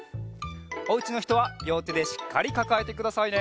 おうちのひとはりょうてでしっかりかかえてくださいね。